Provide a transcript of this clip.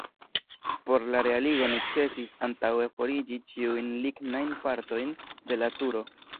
Por la realigo necesis antaŭe forigi ĉiujn lignajn partojn de la turo.